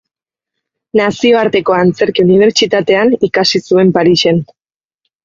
Nazioarteko Antzerki Unibertsitatean ikasi zuen Parisen.